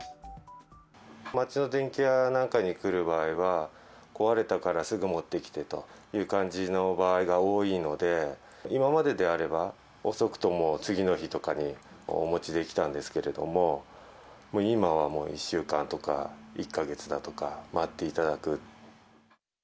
街の電器屋なんかに来る場合は、壊れたからすぐ持ってきてという感じの場合が多いので、今までであれば、遅くとも次の日とかにお持ちできたんですけれども、今はもう１週間とか、１か月だとか待っていただく。